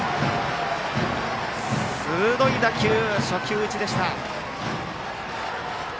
鋭い打球、初球打ちでした。